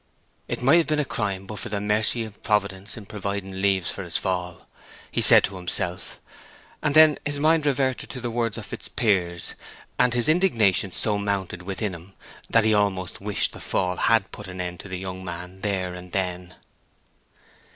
"It might have been a crime, but for the mercy of Providence in providing leaves for his fall," he said to himself. And then his mind reverted to the words of Fitzpiers, and his indignation so mounted within him that he almost wished the fall had put an end to the young man there and then.